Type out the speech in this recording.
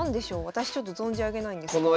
私ちょっと存じ上げないんですけど。